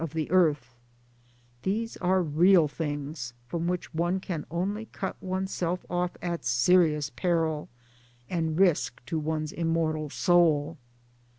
of the Earth these are real things from which one can only cut oneself off at serious peril and risk to one's immortal soul.